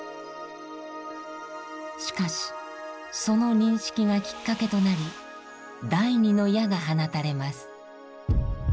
しかしその認識がきっかけとなり第二の矢が放たれます。